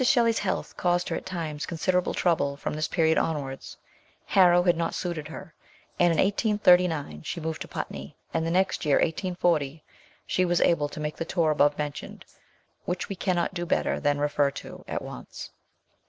Shelley's health caused her at times consider able trouble from this period onwards. Harrow had not suited her, and in 1839 she moved to Putney ; and the next year, 1840, she was able to make the tour above mentioned, which we cannot do better than refer to at once.